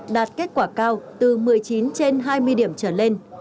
đạt kết quả cao từ một mươi chín trên hai mươi điểm trở lên